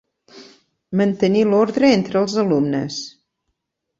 Mantenir l'ordre entre els alumnes.